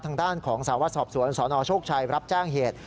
ทางด้านของสาวสอบสวนสนโชคชัยรับแจ้งเหตุ